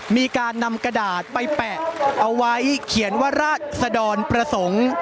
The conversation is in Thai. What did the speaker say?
มีการนำกระดาษไปแปะเอาไว้เขียนว่าราศดรประสงค์